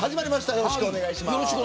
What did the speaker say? よろしくお願いします。